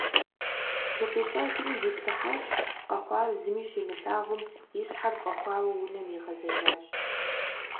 ЗыкъищӀэжри зиплъыхьащ, къэхъуар зыми щимылъагъум, и щхьэр фӀэхуауэ унэм игъэзжащ.